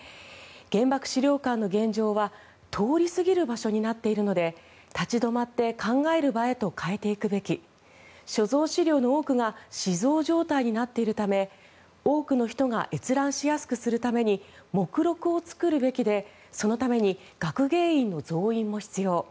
原爆資料館の現状は通り過ぎる場所になっているので立ち止まって考える場へと変えていくべき所蔵資料の多くが死蔵状態になっているため多くの人が閲覧しやすくするために目録を作るべきでそのために学芸員の増員も必要。